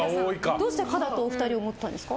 どうして可だとお二人は思ったんですか？